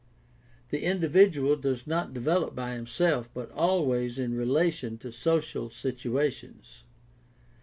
The individual does not develop by himself but always in relation to social situations.